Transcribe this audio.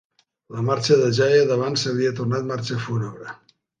La marxa de joia d'abans s'havia tornat marxa fúnebre